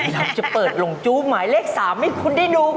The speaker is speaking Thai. เราจะเปิดหลงจู้หมายเลข๓ให้คุณได้ดู